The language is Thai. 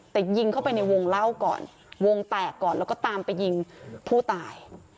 แต่ยิงเข้าไปในวงเล่าก่อนวงแตกก่อนแล้วก็ตามไปยิงผู้ตาย